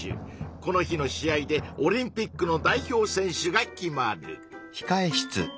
この日の試合でオリンピックの代表選手が決まる。